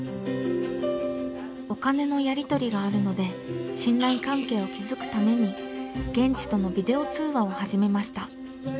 お金のやり取りがあるので信頼関係を築くために現地とのビデオ通話を始めました。